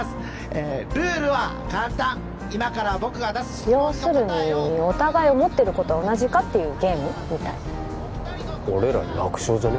ルールは簡単今から僕が出す質問の答えを要するにお互い思ってることは同じかっていうゲームみたい俺ら楽勝じゃね？